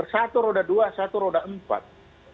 satu roda dua satu roda empat